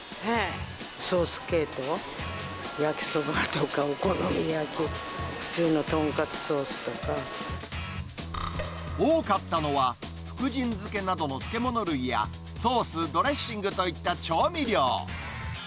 ソース系統、焼きそばとかお好み焼き、多かったのは、福神漬けなどの漬物類やソース、ドレッシングといった調味料。